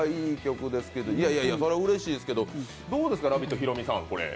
それはうれしいですけど、どうですか「ラヴィット！」、ヒロミさん。